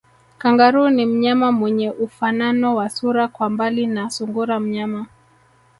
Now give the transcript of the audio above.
Kangaroo ni mnyama mwenye ufanano wa sura kwa mbali na sungura mnyama